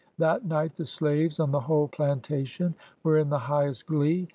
That night, the slaves on the whole plantation were in the highest glee.